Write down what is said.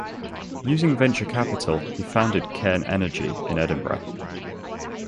Using venture capital, he founded Cairn Energy in Edinburgh.